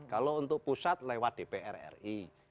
kalau untuk pusat lewat dpr ri